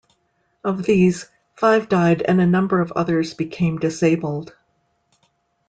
Of these, five died and a number of others became disabled.